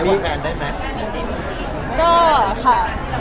มีแฟนได้ไหม